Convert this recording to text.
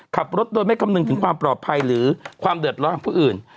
ขับรถโดยไม่คำนึงถึงความปลอดภัยหรือความเดือดร้อนของผู้อื่น